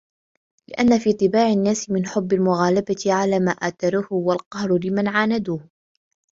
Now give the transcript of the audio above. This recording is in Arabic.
لِأَنَّ فِي طِبَاعِ النَّاسِ مِنْ حُبِّ الْمُغَالَبَةِ عَلَى مَا آثَرُوهُ وَالْقَهْرِ لِمَنْ عَانَدُوهُ